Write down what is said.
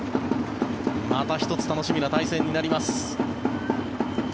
また１つ楽しみな対戦になります。